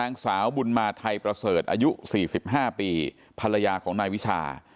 นางสาวบุญมาไทยประเสริฐอายุ๔๕ปีภรรยาของนายวิชา